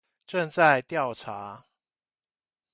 正在調查